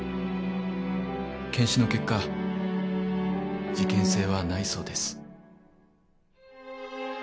検視の結果事件性はないそうです。